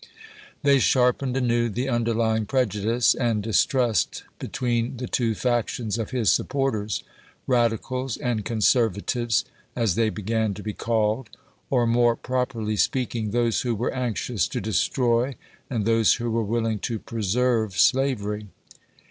They sharpened anew the underlying prejudice and distrust between the two factions of his supporters — radicals and con servatives, as they began to be called; or, more properly speaking, those who were anxious to de stroy and those who were willing to preserve slav ery.